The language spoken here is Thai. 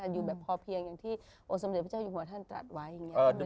อยู่แบบพอเพียงอย่างที่องค์สมเด็จพระเจ้าอยู่หัวท่านตรัสไว้อย่างนี้